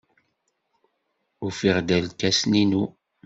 Ufiɣ-d irkasen-inu.